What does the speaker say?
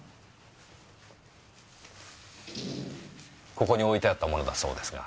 ここに置いてあったものだそうですが。